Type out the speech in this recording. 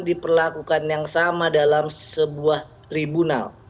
diperlakukan yang sama dalam sebuah tribunal